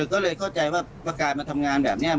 ก็เลยเข้าใจว่าประการมาทำงานแบบนี้